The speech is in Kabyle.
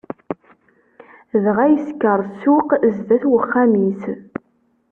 Dɣa yesker ssuq sdat uxxam-is.